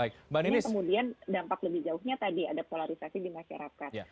kemudian dampak lebih jauhnya tadi ada polarisasi di masyarakat